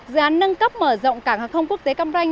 gián nâng cấp mở rộng cảng hạc không quốc tế cam ranh